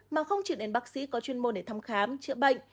mà không chuyển đến bác sĩ có chuyên môn để thăm khám chữa bệnh